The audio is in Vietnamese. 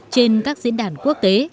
trên các diễn đàn quốc tế